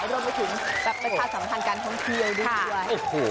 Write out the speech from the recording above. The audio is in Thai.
รวมไปถึงเป็นภาพสัมพันธ์การท่องเทียวด้วย